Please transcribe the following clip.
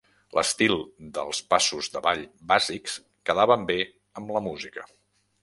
L'estil dels passos de ball bàsics quedaven bé amb la música.